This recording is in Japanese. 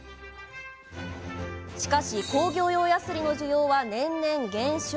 しかし、工業用やすりの需要は年々減少。